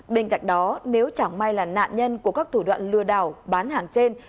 bên cạnh đó nếu chẳng may là nạn nhân của các thủ đoạn lừa đảo bán hàng trên